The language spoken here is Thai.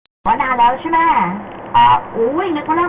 จอบไว้ทำงานแล้วใช้แม่ฮ่าอู้เห็นว่าล่า